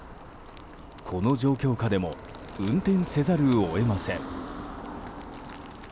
この状況下でも運転せざるを得ません。